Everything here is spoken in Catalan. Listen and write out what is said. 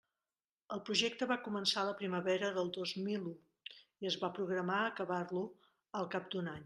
El projecte va començar la primavera del dos mil u, i es va programar acabar-lo al cap d'un any.